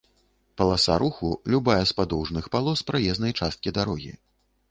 паласа руху — любая з падоўжных палос праезнай часткі дарогі